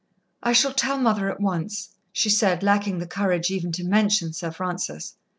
"I shall tell mother at once," she said, lacking the courage even to mention Sir Francis.